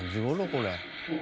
これ。